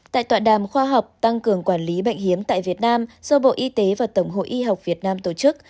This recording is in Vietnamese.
tại tọa đàm khoa học tăng cường quản lý bệnh hiếm tại việt nam do bộ y tế và tổng hội y học việt nam tổ chức